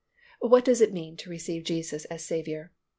What does it mean to receive Jesus as Saviour?